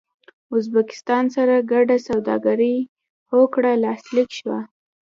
ازبکستان سره ګډه سوداګريزه هوکړه لاسلیک شوه